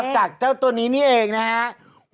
จากเจ้าตัวนี้เองนะครับ